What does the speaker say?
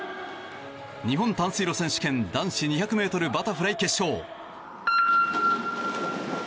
日本短水路選手権男子２００ｍバタフライ決勝。